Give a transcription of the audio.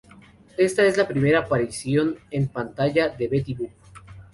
Es esta la primera aparición en la pantalla de Betty Boop.